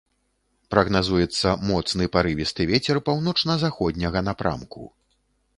Прагназуецца моцны парывісты вецер паўночна-заходняга напрамку.